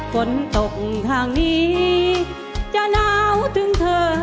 ฝนตกทางนี้จะหนาวถึงเธอ